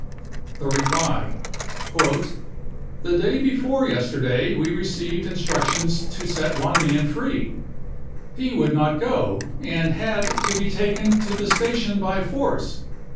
The reply : 44 The day before yesterday we received in structions to set one man free. He would not go, and had to be taken to the station by force.